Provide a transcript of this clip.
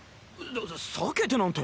さ避けてなんて。